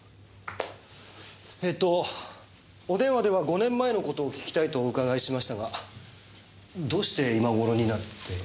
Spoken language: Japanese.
えとお電話では５年前のことを聞きたいとお伺いしましたがどうして今頃になって？